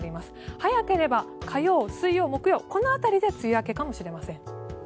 早ければ火曜、水曜、木曜この辺りで梅雨明けかもしれません。